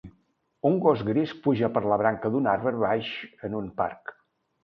Un gos gris puja per la branca d'un arbre baix en un parc.